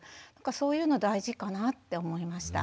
そういうの大事かなって思いました。